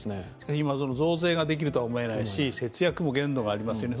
今、その増税ができると思えないし節約も限度がありますよね。